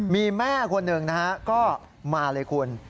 มีแม่คนหนึ่งนะฮะก็มาเลยคุณ